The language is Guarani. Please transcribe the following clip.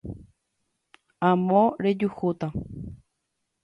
Amo rejuhúta